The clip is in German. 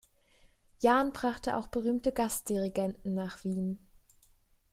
Jahn brachte auch berühmte Gastdirigenten nach Wien.